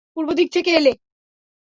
পূর্ব দিক থেকে এলে।